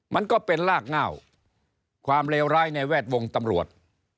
มันก็เป็นลากเง่าความเลวร้ายในแวดวงตำรวจ